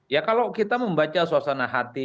ya kalau kita membaca suasana hati